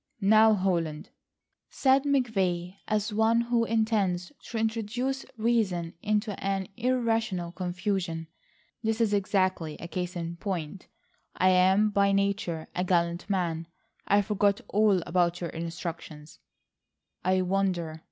"Now, Holland," said McVay as one who intends to introduce reason into an irrational confusion, "this is exactly a case in point. I am by nature a gallant man. I forgot all about your instructions." "I wonder?"